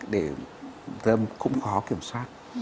để không khó kiểm soát